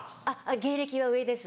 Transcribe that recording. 芸歴は上です。